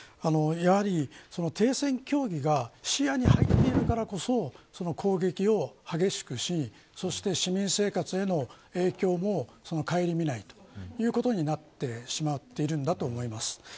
やはり、停戦協議が視野に入っているからこそ攻撃を激しくしそして市民生活への影響もかえりみないということになってしまっているんだと思います。